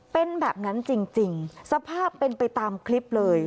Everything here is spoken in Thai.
เป็นแบบนั้นจริงสภาพเป็นไปตามคลิปเลย